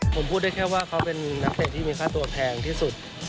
ผมพูดได้แค่ว่าเขาเป็นนักเตะที่มีค่าตัวแพงที่สุด